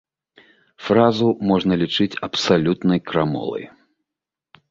Фразу можна лічыць абсалютнай крамолай.